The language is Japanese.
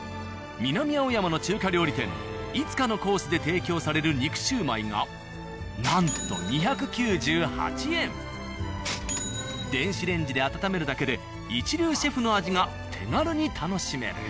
南青山の中華料理店「慈華」のコースで提供される肉焼売がなんと電子レンジで温めるだけで一流シェフの味が手軽に楽しめる。